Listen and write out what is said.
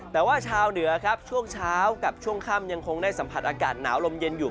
แต่ว่าชาวเหนือครับช่วงเช้ากับช่วงค่ำยังคงได้สัมผัสอากาศหนาวลมเย็นอยู่